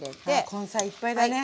根菜いっぱいだね。